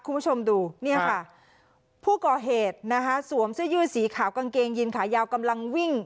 คุณผู้ชมดูเนี่ยค่ะผู้ก่อเหตุนะคะสวมเสื้อยืดสีขาวกางเกงยินขายาวกำลังวิ่ง